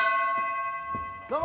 どうも！